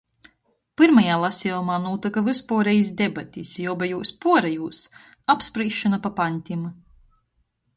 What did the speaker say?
Pyrmajā lasejumā nūtyka vyspuorejis debatis i obejūs puorejūs — apsprīsšona pa pantim.